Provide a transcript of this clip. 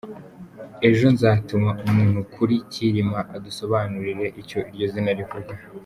Ejo nzatuma umuntu kuri Cyirima azadusobanurire icyo iryo zina rivuga.